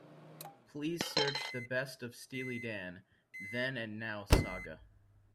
Please search The Best of Steely Dan: Then and Now saga.